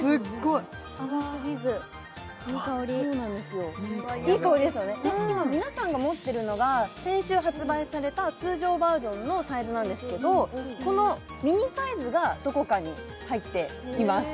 いい香りですよねで今皆さんが持ってるのが先週発売された通常バージョンのサイズなんですけどこのミニサイズがどこかに入っています